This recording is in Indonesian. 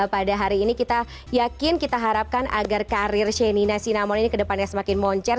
pada hari ini kita yakin kita harapkan agar karir shenina sinamon ini ke depannya semakin moncer